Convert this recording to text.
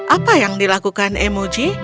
apa yang dilakukan emoji